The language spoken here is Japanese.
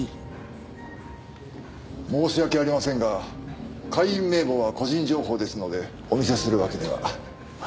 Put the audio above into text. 申し訳ありませんが会員名簿は個人情報ですのでお見せするわけには。